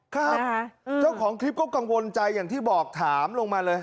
ครับเจ้าของคลิปก็กังวลใจอย่างที่บอกถามลงมาเลย